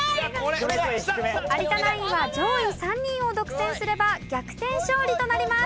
有田ナインは上位３人を独占すれば逆転勝利となります。